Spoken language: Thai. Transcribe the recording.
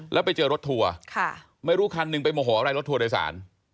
แล้วไปเจอรถทัวร์ไม่รู้คันหนึ่งไปโมโหอะไรรถทัวร์โดยสาร